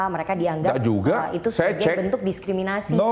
mereka dianggap itu sebagai bentuk diskriminasi